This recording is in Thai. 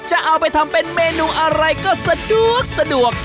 จะเอาไปทำเป็นเมนูอะไรก็สะดวกสะดวก